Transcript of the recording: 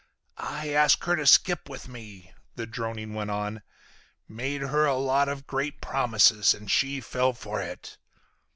"I asked her to skip with me," the droning went on, "made her a lot of great promises, and she fell for it."